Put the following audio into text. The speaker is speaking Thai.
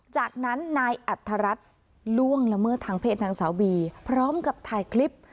จากนั้นนายอัธรัฐล่วงละเมิดทางเพศนางสาวบีพร้อมกับถ่ายคลิป